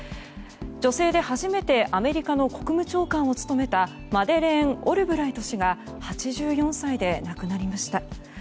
女性で初めてアメリカの国務長官を務めたマデレーン・オルブライト氏が８４歳で亡くなりました。